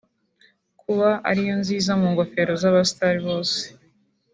kuba ariyo nziza mu ngofero z’abastars bose